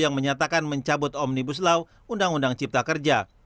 yang menyatakan mencabut omnibus law undang undang cipta kerja